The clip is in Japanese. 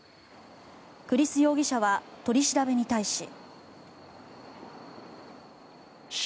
栗栖容疑者は取り調べに対し。